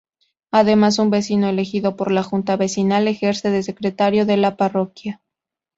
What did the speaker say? Además, un vecino elegido por la Junta Vecinal ejerce de secretario de la parroquia.